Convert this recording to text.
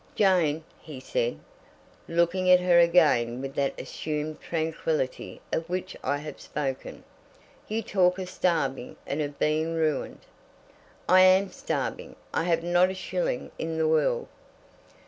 "Jane," he said, looking at her again with that assumed tranquillity of which I have spoken, "you talk of starving and of being ruined, " "I am starving. I have not a shilling in the world."